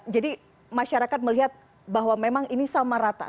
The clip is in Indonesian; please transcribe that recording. jadi masyarakat melihat bahwa memang ini sama rata